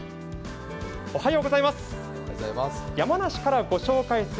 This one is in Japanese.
おはようございます。